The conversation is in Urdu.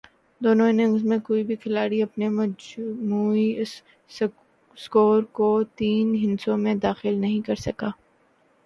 دونوں اننگز میں کوئی بھی کھلاڑی اپنے مجموعی سکور کو تین ہندسوں میں داخل نہیں کر سکا۔